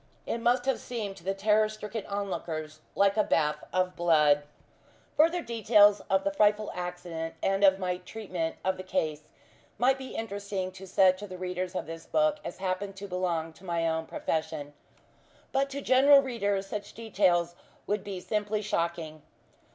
It must have seemed to the terror stricken onlookers like a bath of blood. Further details of the frightful accident, and of my treatment of the case, might be interesting to such of the readers of this book as happen to belong to my own profession; but to general readers such details would be simply shocking.